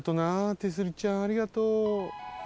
手すりちゃんありがとう。